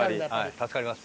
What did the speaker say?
助かります。